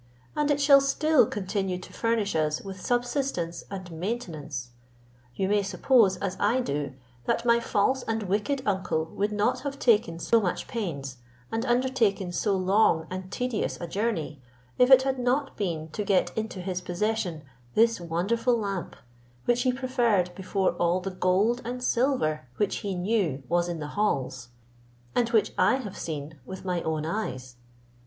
and it shall still continue to furnish us with subsistence and maintenance. You may suppose as I do, that my false and wicked uncle would not have taken so much pains, and undertaken so long and tedious a journey, if it had not been to get into his possession this wonderful lamp, which he preferred before all the gold and silver which he knew was in the halls, and which I have seen with my own eyes.